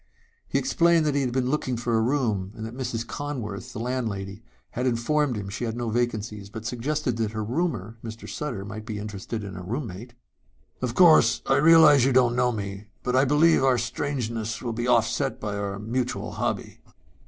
He explained that he had been looking for a room and that Mrs. Conworth, the landlady, had informed him she had no vacancies but suggested that her roomer, Mr. Sutter, might be interested in a roommate. "Of course I realize you don't know me but I believe our strangeness will be offset by our mutual hobby."